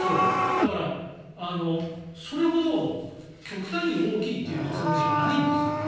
だから、それほど極端に大きいという見積もりじゃないんですよね。